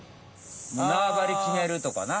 縄張りきめるとかな。